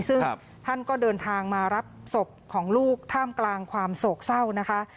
ซึ่งท่านก็เดินทางมารับศพของลูกท่ามกลางความโศกเศร้านะคะ